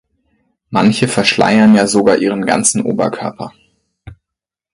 Manche verschleiern ja sogar ihren ganzen Oberkörper.